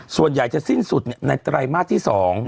ส่วนใหญ่จะสิ้นสุดในไตรมาสที่๒